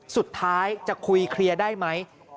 สุดท้ายจะคุยเคลียร์ได้ไหม